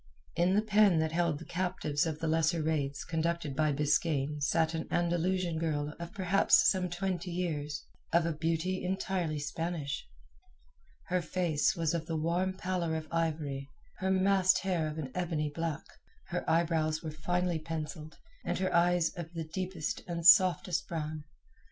In the pen that held the captives of the lesser raids conducted by Biskaine sat an Andalusian girl of perhaps some twenty years, of a beauty entirely Spanish. Her face was of the warm pallor of ivory, her massed hair of an ebony black, her eyebrows were finely pencilled, and her eyes of deepest and softest brown.